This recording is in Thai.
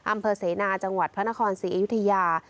อำเภอเสนาจังหวัดพระนครศรีอยุธยา